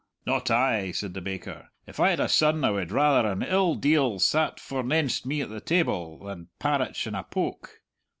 "Not I!" said the baker. "If I had a son, I would rather an ill deil sat forenenst me at the table than parratch in a poke.